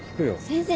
先生